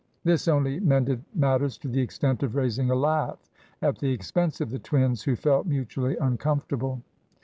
This only mended matters to the extent of raising a laugh at the expense of the twins, who felt mutually uncomfortable.